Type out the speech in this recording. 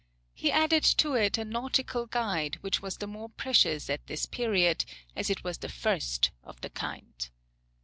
He added to it a nautical guide, which was the more precious at this period, as it was the first of the kind.